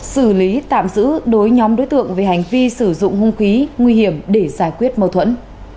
xử lý tạm giữ đối nhóm đối tượng về hành vi sử dụng hung khí nguy hiểm để giải quyết mâu thuẫn